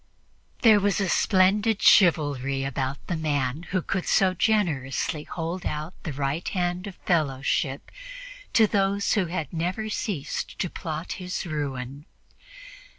There was a splendid chivalry about the man who could so generously hold out the right hand of fellowship to those who had never ceased to plot his ruin.